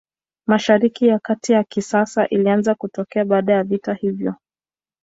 Mashariki ya Kati ya kisasa ilianza kutokea baada ya vita hiyo.